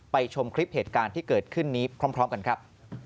ชมคลิปเหตุการณ์ที่เกิดขึ้นนี้พร้อมกันครับ